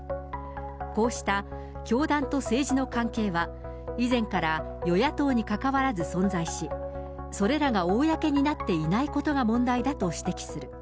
こうした教団と政治の関係は、以前から与野党にかかわらず存在し、それらが公になっていないことが問題だと指摘する。